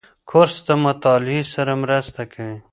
کورس د مطالعې سره مرسته کوي.